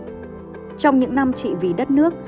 trong những năm trị ví đất nước